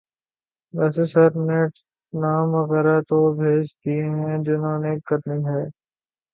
ویسے سر نے نام وغیرہ تو بھیج دیے ہیں جنہوں نے کرنی ہے۔